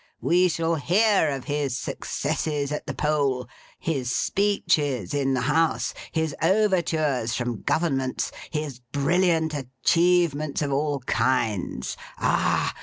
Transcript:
We shall hear of his successes at the poll; his speeches in the House; his overtures from Governments; his brilliant achievements of all kinds; ah!